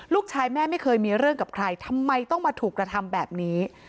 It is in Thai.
ลูกชายแม่ไม่เคยมีเรื่องกับใครทำไมต้องมาถูกกระทำแบบนี้